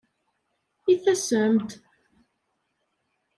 I tasem-d?